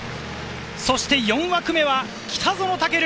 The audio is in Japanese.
そして４枠目は北園丈琉。